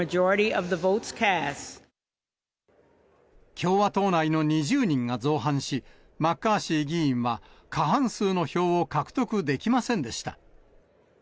共和党内の２０人が造反し、マッカーシー議員は過半数の票を獲得できませんでした。